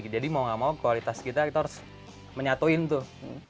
jadi mau nggak mau kualitas kita harus menyatuin tuh